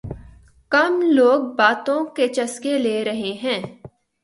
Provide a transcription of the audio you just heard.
کم ہمت لوگ باتوں کے چسکے لے رہے ہیں